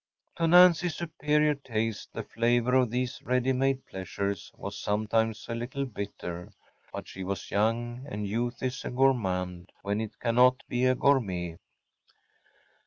To Nancy’s superior taste the flavor of these ready made pleasures was sometimes a little bitter: but she was young; and youth is a gourmand, when it cannot be a gourmet.